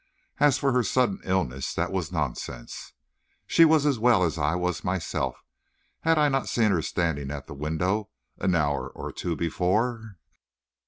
As for her sudden illness, that was nonsense. She was as well as I was myself. Had I not seen her standing at the window an hour or two before?